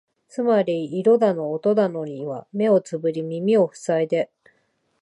つまり色だの音だのには目をつぶり耳をふさいで、